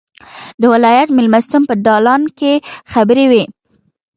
د ولایت مېلمستون په دالان کې خبرې وې.